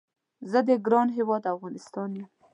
زه د ګران هیواد افغانستان یم